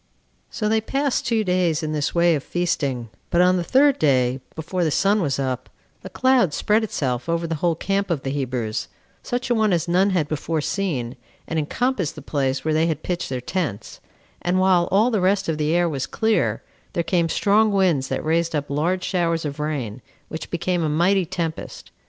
2. So they passed two days in this way of feasting; but on the third day, before the sun was up, a cloud spread itself over the whole camp of the Hebrews, such a one as none had before seen, and encompassed the place where they had pitched their tents; and while all the rest of the air was clear, there came strong winds, that raised up large showers of rain, which became a mighty tempest.